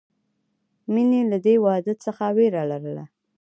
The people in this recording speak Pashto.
مینې له دې واده څخه وېره لرله